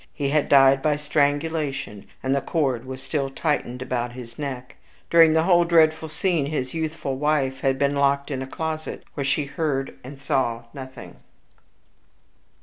He had died by strangulation, and the cord was still tightened about his neck. During the whole dreadful scene his youthful wife had been locked into a closet, where she heard or saw nothing.